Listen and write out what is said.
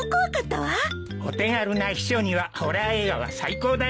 お手軽な避暑にはホラー映画は最高だよ。